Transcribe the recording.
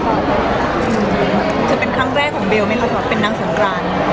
จริงจะเป็นครั้งแรกของเบลมั้ยคะเป็นนางสำกราญ